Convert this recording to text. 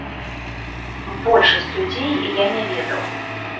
Большасць людзей я не ведаў.